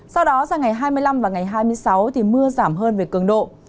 sau đó sang ngày hai mươi năm và ngày hai mươi sáu thì mưa giảm hơn về cường độ